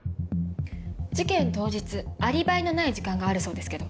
事件当日アリバイのない時間があるそうですけど。